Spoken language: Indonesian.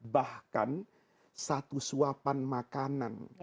bahkan satu suapan makanan